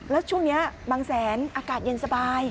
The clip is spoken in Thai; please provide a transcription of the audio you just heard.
แล้วช่วงนี้บางแสนอากาศเย็นสบาย